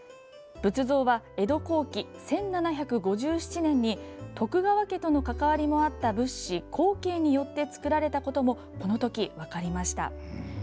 仏像は、江戸後期１７５７年に徳川家との関わりもあった仏師・幸慶によって作られたこともこのとき分かりました。